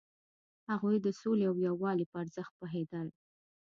هغوی د سولې او یووالي په ارزښت پوهیدل.